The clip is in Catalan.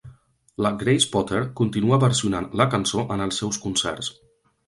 La Grace Potter continua versionant la cançó en els seus concerts.